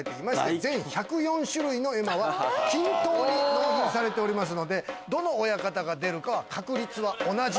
全１０４種類の絵馬は均等に納入されますのでどの親方が出るか確率は同じ。